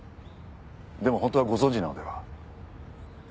でも本当はご存じなのでは？